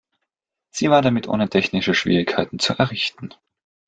Sie war damit ohne technische Schwierigkeiten zu errichten.